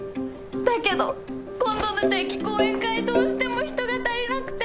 だけど今度の定期公演会どうしても人が足りなくて！